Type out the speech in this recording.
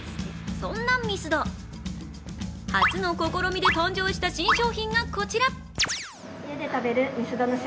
そんなミスド、初の試みで誕生した新商品がこちら。